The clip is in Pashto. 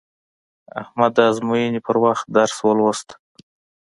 احمد د ازموینې په وخت درس ولوست.